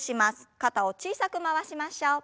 肩を小さく回しましょう。